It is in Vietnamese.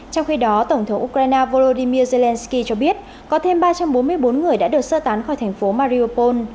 trong khi đó tổng thống ukraine volodymyr zelensky cho biết có thêm ba trăm bốn mươi bốn người đã được sơ tán khỏi thành phố mariopol